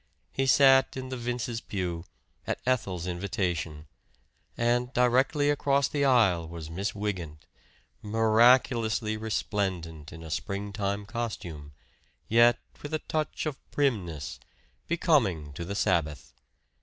He sat in the Vince's pew, at Ethel's invitation; and directly across the aisle was Miss Wygant, miraculously resplendent in a springtime costume, yet with a touch of primness, becoming to the Sabbath.